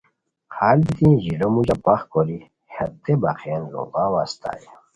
ہال بیتی ژیلو موژا بخ کوری ہتے بَخین لوڑاؤ استائے